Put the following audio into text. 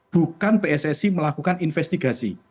bukan pssi melakukan investigasi